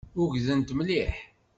Ugdent mliḥ.